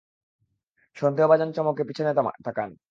সন্দেহভাজন চমকে পিছনে তাকান।